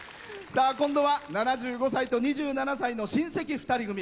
さあ今度は７５歳と２７歳の親戚２人組。